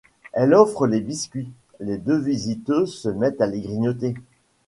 Elle offre les biscuits ; les deux visiteuses se mettent à les grignoter.